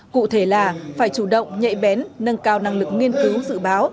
cụ thể là phải chủ động nhạy bén nâng cao năng lực nghiên cứu dự báo